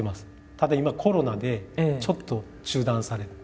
ただ今コロナでちょっと中断されて。